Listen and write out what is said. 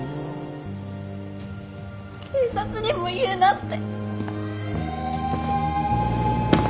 警察にも言うなって